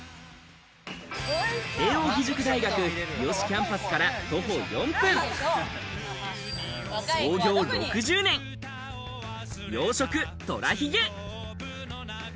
慶應義塾大学日吉キャンパスから徒歩４分、創業６０年、洋食とらひげ。